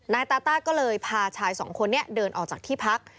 นายตาต้าก็เลยพาชายสองคนนี้เดินออกจากที่พัก